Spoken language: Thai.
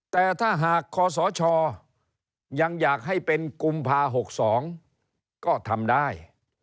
แต่ถ้าหากคศยังอยากให้เป็นกุมภา๖๒ก็ทำได้